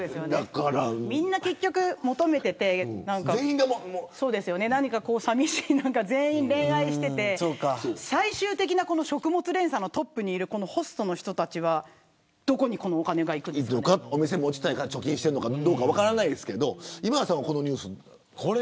みんな結局求めていて何か寂しい、全員恋愛をしていて最終的な食物連鎖のトップにいるホストの人たちはお店を持ちたいから貯金してるのか分かりませんけど今田さん、このニュース。